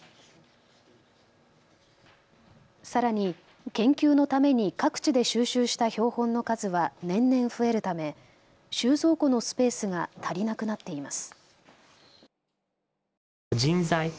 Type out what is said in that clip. さらに研究のために各地で収集した標本の数は年々増えるため、収蔵庫のスペースが足りなくなっています。